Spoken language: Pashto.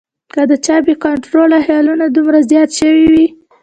کۀ د چا بې کنټروله خیالونه دومره زيات شوي وي